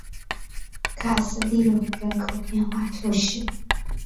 卡斯蒂隆人口变化图示